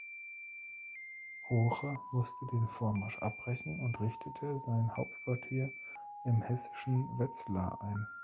Hoche musste den Vormarsch abbrechen und richtete sein Hauptquartier im hessischen Wetzlar ein.